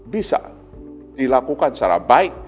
bisa dilakukan secara baik